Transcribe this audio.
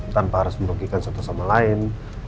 tanpa harus merugikan satu sama lain